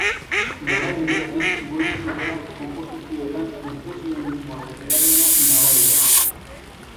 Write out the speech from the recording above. Garai honetatik goiti bere konposizioetan inpresionismoaren eragina nabari da.